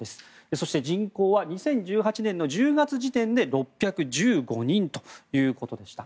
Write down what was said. そして、人口は２０１８年の１０月時点で６１５人ということでした。